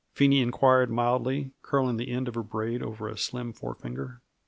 Phenie inquired mildly, curling the end of her braid over a slim forefinger.